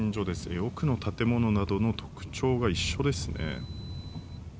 奥の建物などの特徴が一緒ですね。